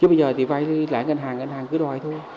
chứ bây giờ thì vai lại ngân hàng ngân hàng cứ đòi thôi